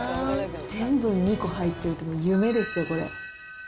全部２個入ってるって夢ですよ、これ。